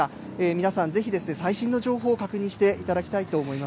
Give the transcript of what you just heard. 皆さん、ぜひ最新の情報を確認していただきたいと思います。